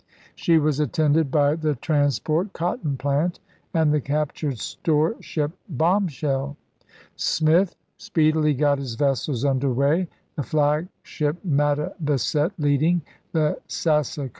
She was attended by the trans port Cotton Plant, and the captured storeship Bomb shell. Smith speedily got his vessels under way, the flagship Mattabesett leading, the Sassacus and Chap.